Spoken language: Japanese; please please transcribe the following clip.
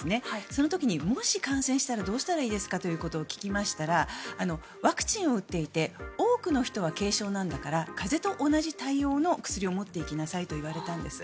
その時にもし感染したらどうしたらいいですかということを聞きましたらワクチンを打っていて多くの人は軽症なんだから風邪と同じ対応の薬を持っていきなさいと言われたんです。